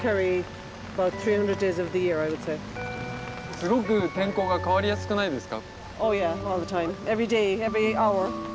すごく天候が変わりやすくないですか？